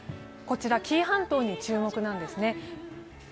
紀伊半島に注目なんですね。